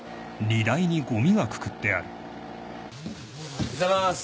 おはようございます。